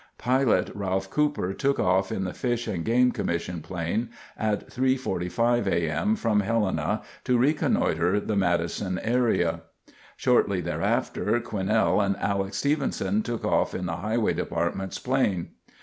Pilot Ralph Cooper took off in the Fish and Game Commission plane at 3:45 A. M. from Helena to reconnoiter the Madison area. Shortly thereafter Quinnell and Alex Stephenson took off in the Highway Department's plane.